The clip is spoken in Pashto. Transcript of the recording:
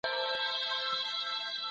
میز څېړنه او کتابتون څېړنه سره ورته دي.